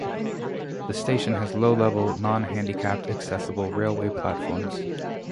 The station has low-level, non-handicapped accessible, railway platforms.